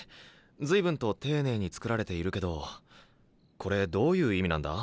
随分と丁寧に作られているけどこれどういう意味なんだ？